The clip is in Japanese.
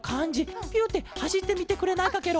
ピュッてはしってみてくれないかケロ？